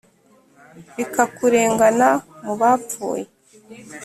bikakurengana mu bapfuye